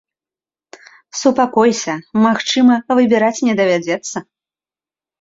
Супакойся, магчыма, выбіраць не давядзецца!